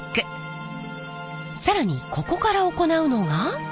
更にここから行うのが。